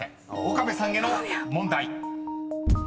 ［岡部さんへの問題］